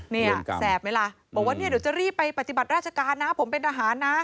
เนี่ยแสบไหมล่ะบอกว่าเนี่ยเดี๋ยวจะรีบไปปฏิบัติราชการนะผมเป็นทหารนะ